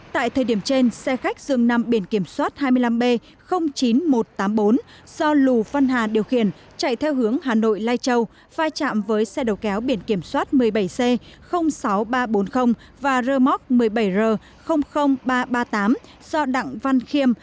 tại thời điểm trên xe khách dường nằm biển kiểm soát hai mươi năm b chín nghìn một trăm tám mươi bốn do lù văn hà điều khiển chạy theo hướng hà nội lai châu pha chạm với xe đầu kéo biển kiểm soát một mươi bảy c sáu nghìn ba trăm bốn mươi và rơ móc một mươi bảy r ba trăm ba mươi tám do đặng văn khiêm